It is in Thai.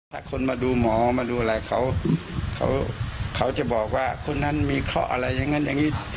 ถ้าคนมาดูหมอมาดูอะไรเขาเขาจะบอกว่าคนนั้นมีเคราะห์อะไรอย่างนั้นอย่างนี้